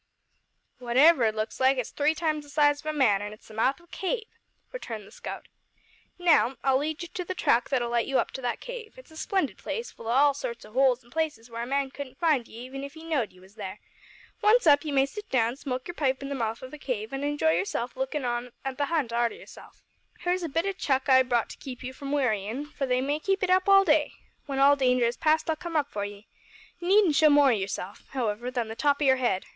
"Whatever it looks like it's three times the size of a man, an' it's the mouth of a cave," returned the scout. "Now, I'll lead you to the track that'll let you up to that cave. It's a splendid place, full of all sorts o' holes an' places where a man couldn't find you even if he know'd you was there. Once up, you may sit down, smoke your pipe in the mouth o' the cave, an' enjoy yourself lookin' on at the hunt arter yourself. Here's a bit o' chuck I've brought to keep you from wearyin', for they may keep it up all day. When all danger is past I'll come up for ye. You needn't show more o' yourself, however, than the top o' your head.